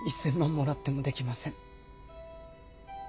もらってもできません。